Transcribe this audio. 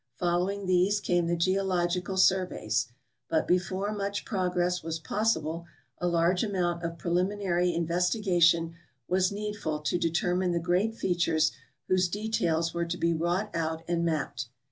Following these came the geological sur veys. But before much progress was possible a large amount of preliminary investigation was needful to determine the great features whose details were to be wrought out and mapped.